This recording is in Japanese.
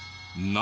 何？